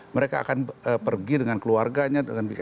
mereka akan pergi dengan keluarganya